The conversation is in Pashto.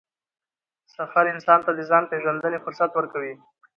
سفر انسان ته د ځان پېژندنې فرصت ورکوي